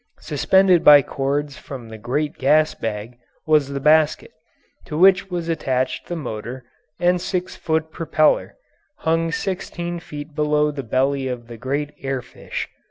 Suspended by cords from the great gas bag was the basket, to which was attached the motor and six foot propeller, hung sixteen feet below the belly of the great air fish.